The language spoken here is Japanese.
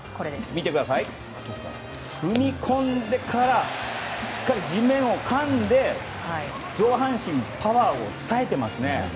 踏み込んでからしっかり地面をかんで上半身にパワーを伝えてますね。